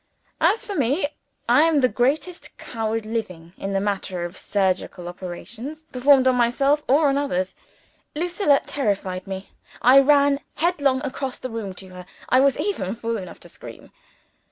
As for me, I am the greatest coward living, in the matter of surgical operations performed on myself or on others. Lucilla terrified me. I ran headlong across the room to her. I was even fool enough to scream.